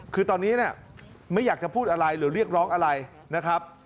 คือตอนนี้เนี่ยไม่อยากจะพูดอะไรหรือเรียกร้องอะไรนะครับ